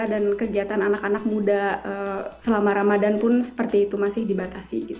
dan kegiatan anak anak muda selama ramadan pun seperti itu masih dibatasi